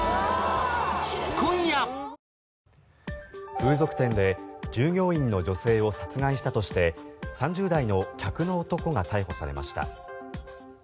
風俗店で従業員の女性を殺害したとして３０代の客の男が逮捕されました。